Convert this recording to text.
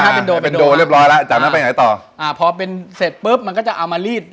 ถ้าเป็นโดเป็นโดเรียบร้อยแล้วจากนั้นไปไหนต่ออ่าพอเป็นเสร็จปุ๊บมันก็จะเอามารีด